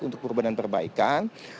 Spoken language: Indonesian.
untuk perubahan dan perbaikan